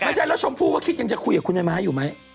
ไม่ใช่แล้วชมพู่ก็คิดยังจะคุยกับคุณยายม้าอยู่ไหม